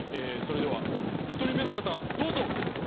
それでは１人目の方どうぞ。